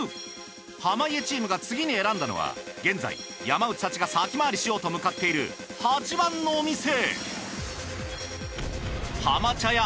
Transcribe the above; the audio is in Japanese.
濱家チームが次に選んだのは現在山内たちが先回りしようと向かっている８番のお店。